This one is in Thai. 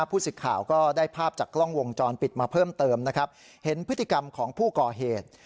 ผู้สื่อข่าวก็ได้ภาพจากกล้องวงจรปิดมาเพิ่มเติมนะครับเห็นพฤติกรรมของผู้ก่อเหตุ